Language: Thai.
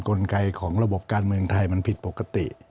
กลไกของระบบการเมืองไทยมันผิดปกติ